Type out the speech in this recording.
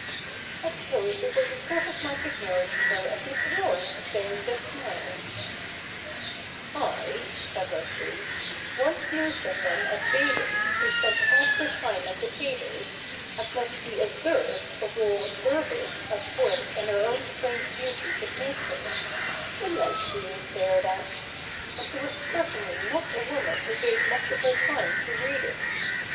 I suppose it was a sort of magic mirror to her as Mr. Laurence was saying just now.' CH. ii] THE NEW REPUBLIC 145 * I,' said Leslie, ' once knew some one at Baden, who spent half her time at the tables, as much the observed of all observers as Worth and her own strange beauty could make her — she liked being stared at — and who was certainly not a woman who gave much of her time to reading.